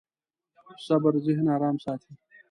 صبر ذهن ارام ساتي.